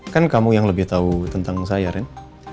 kan kamu yang lebih tahu tentang saya rin